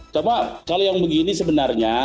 coba kalau yang begini sebenarnya